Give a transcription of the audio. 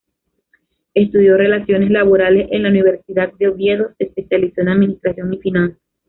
Estudió Relaciones Laborales en la universidad de Oviedo, se especializó en administración y finanzas.